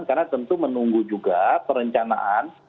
karena tentu menunggu juga perencanaan